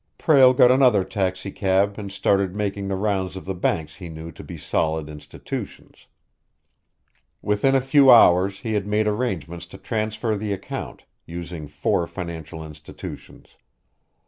Prale got another taxicab and started making the rounds of the banks he knew to be solid institutions. Within a few hours he had made arrangements to transfer the account, using four financial institutions.